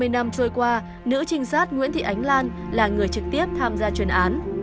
hai mươi năm trôi qua nữ trinh sát nguyễn thị ánh lan là người trực tiếp tham gia chuyên án